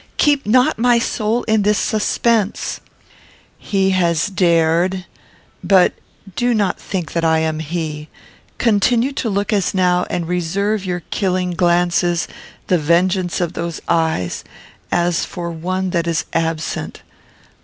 Keep not my soul in this suspense." "He has dared But do not think that I am he. Continue to look as now, and reserve your killing glances, the vengeance of those eyes, as for one that is absent.